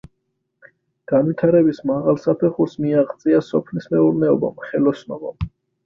განვითარების მაღალ საფეხურს მიაღწია სოფლის მეურნეობამ, ხელოსნობამ.